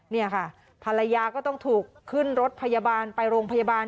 นี่ค่ะภรรยาก็ต้องถูกขึ้นรถพยาบาลไปโรงพยาบาล